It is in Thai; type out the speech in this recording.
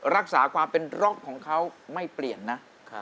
รักษาความเป็นร็อกของเขาไม่เปลี่ยนนะ